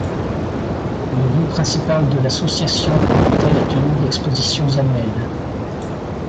Le but principal de l'association était la tenue d'expositions annuelles.